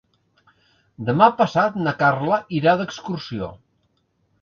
Demà passat na Carla irà d'excursió.